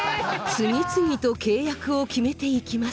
次々と契約を決めていきます。